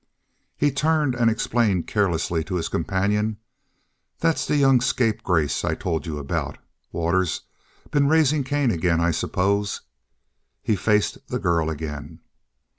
He turned and explained carelessly to his companion: "That's the young scapegrace I told you about, Waters. Been raising Cain again, I suppose." He faced the girl again.